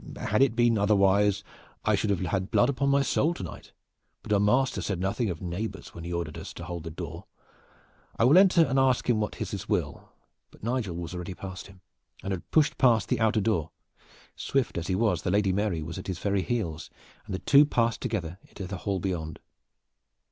"Had it been otherwise I should have had blood upon my soul to night. But our master said nothing of neighbors when he ordered us to hold the door. I will enter and ask him what is his will." But already Nigel was past them and had pushed open the outer door. Swift as he was, the Lady Mary was at his very heels, and the two passed together into the hall beyond.